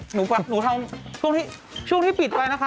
หนูทำช่วงที่ปิดไปนะคะ